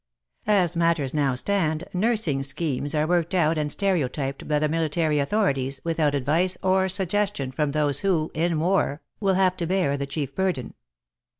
As matters now stand, nursing schemes are worked out and stereotyped by the military authorities, without advice or suggestion from those who, in war, will have to bear the chief burden.